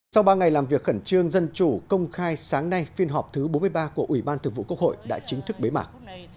sau ba ngày làm việc khẩn trương dân chủ công khai sáng nay phiên họp thứ bốn mươi ba của ủy ban thượng vụ quốc hội đã chính thức bế mạc